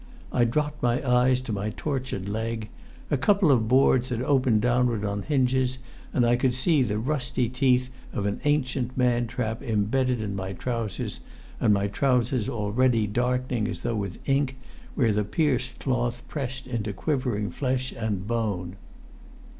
I dropped my eyes to my tortured leg: a couple of boards had opened downward on hinges, and I could see the rusty teeth of an ancient man trap embedded in my trousers, and my trousers already darkening as though with ink, where the pierced cloth pressed into quivering flesh and bone.